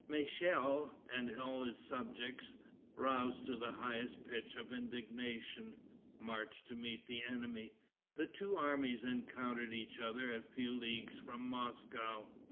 Michel and all his subjects, roused to the highest pitch of indignation, marched to meet the enemy. The two armies encountered each other a few leagues from Moscow.